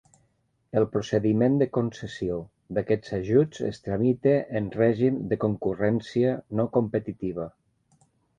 El procediment de concessió d'aquests ajuts es tramita en règim de concurrència no competitiva.